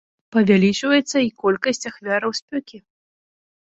Павялічваецца і колькасць ахвяраў спёкі.